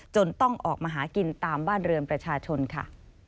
ต้องออกมาหากินตามบ้านเรือนประชาชนค่ะ